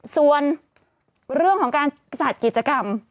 ส่วนเรื่องของการจัดกิจกรรม